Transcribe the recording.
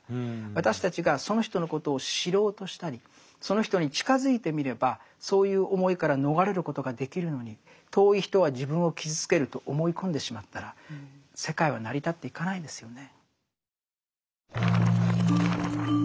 私たちがその人のことを知ろうとしたりその人に近づいてみればそういう思いから逃れることができるのに遠い人は自分を傷つけると思い込んでしまったら世界は成り立っていかないですよね。